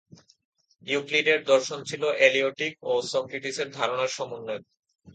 ইউক্লিডের দর্শন ছিল এলিয়টিক ও সক্রেটিসের ধারণার সমন্বয়।